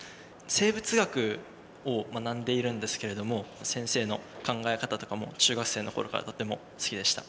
生物学を学んでいるんですけれども先生の考え方とかも中学生の頃からとても好きでした。